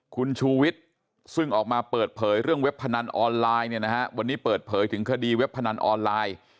คุณชูวิทย์ซึ่งออกมาเปิดเผยเรื่องเว็บพนันออนไลน์เนี่ยนะฮะวันนี้เปิดเผยถึงคดีเว็บพนันออนไลน์